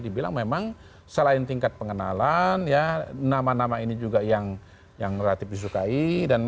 dibilang memang selain tingkat pengenalan ya nama nama ini juga yang yang relatif disukai dan